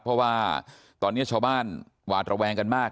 เพราะว่าตอนนี้ชาวบ้านหวาดระแวงกันมาก